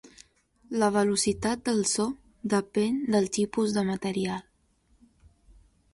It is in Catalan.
La velocitat del so depèn del tipus de material.